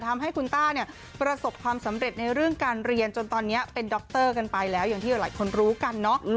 ทำให้คุณต้าเนี่ยประสบความสำเร็จในเรื่องการเรียนจนตอนนี้เป็นดรกันไปแล้วอย่างที่หลายคนรู้กันเนาะ